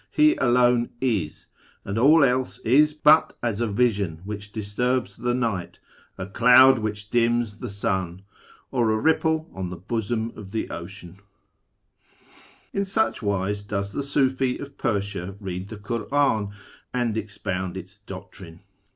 He alone is, and all else is but as a vision "which disturbs the night, a cloud which dims the Sun, or a ripple on the bosom of the Ocean ?" MYSTICISM, ME TA PHYSIC, AND MAGIC 125 In such wise does tlie Sufi of Persia read the Kur'au and expound its doctrine.